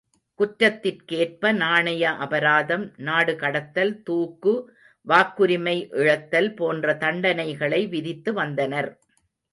குற்றத்திற்கேற்ப நாணய அபராதம், நாடுகடத்தல், தூக்கு, வாக்குரிமை இழத்தல் போன்ற தண்டனைகளை விதித்து வந்தனர்.